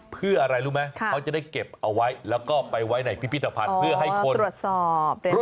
เพื่ออะไรรู้ไหมเขาจะได้เก็บเอาไว้แล้วก็ไปไว้ในพิพิธภัณฑ์เพื่อให้คนตรวจสอบ